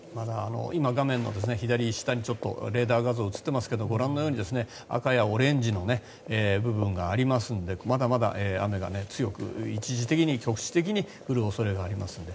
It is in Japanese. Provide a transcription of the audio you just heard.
今、画面の左下にレーダー画像が映ってますけどご覧のように赤やオレンジの部分がありますのでまだまだ雨が強く一時的に、局地的に降る恐れがありますので。